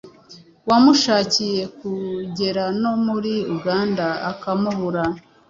Wamushakiye kugera no muri Uganda ukamubura,